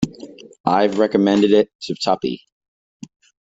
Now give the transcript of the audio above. I've recommended it to Tuppy.